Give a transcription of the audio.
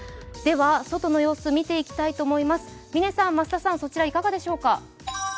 外の様子、見ていきたいと思います嶺さん、増田さん、そちらはいかがでしょうか？